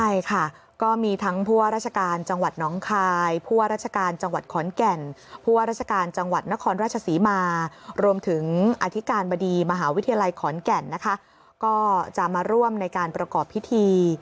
ใช่ค่ะก็มีทั้งผู้ว่าราชการจังหวัดน้องคายผู้ว่าราชการจังหวัดขอนแก่นผู้ว่าราชการจังหวัดนครราชศรีมารวมถึงอธิการบดีมหาวิทยาลัยขอนแก่นนะคะก็จะมาร่วมในการประกอบพิธี